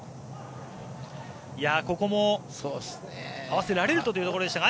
ここも合わせられるとというところでしたが。